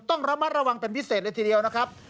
ต้องระมัดระวังเป็นพิเศษเลยทีเดียวนะครับ